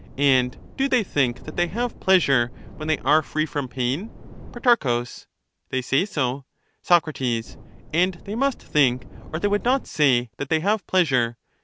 And do they think that they have pleasure when they are free from pain ? Pro, They say so. Soc, And they must think or they would not say that they have pleasure.